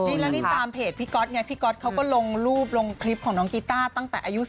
จริงแล้วนี่ตามเพจพี่ก๊อตไงพี่ก๊อตเขาก็ลงรูปลงคลิปของน้องกีต้าตั้งแต่อายุ